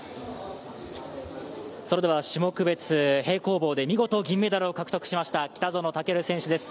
それでは種目別平行棒で見事銀メダルを獲得しました北園丈琉選手です。